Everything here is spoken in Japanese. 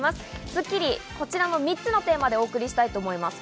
『スッキリ』はこちらの３つのテーマでお送りします。